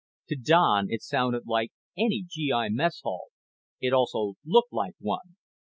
To Don it sounded like any GI mess hall. It also looked like one.